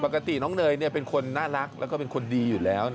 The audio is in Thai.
ปกติน้องเนยเป็นคนน่ารักแล้วก็เป็นคนดีอยู่แล้ว